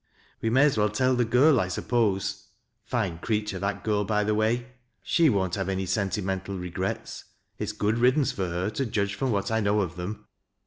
We may as well tell the girl, I suppose— fine creature, that girl, by the way. She won't have any sentimental regrets. It's a good riddance for her, to judge from what I know of them."